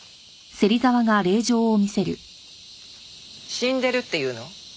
死んでるって言うの？